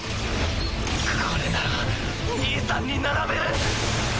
これなら兄さんに並べる。